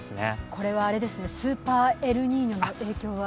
これはスーパーエルニーニョの影響は？